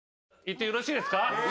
いってよろしいですか？